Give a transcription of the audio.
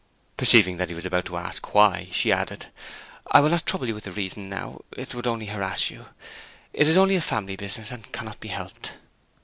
Perceiving that he was about to ask why, she added, 'I will not trouble you with the reason now; it would only harass you. It is only a family business, and cannot be helped.'